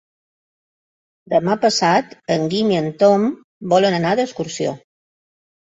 Demà passat en Guim i en Tom volen anar d'excursió.